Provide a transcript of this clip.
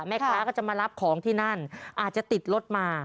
แม่ค้าก็จะมารับของที่นั่นอาจจะติดรถมา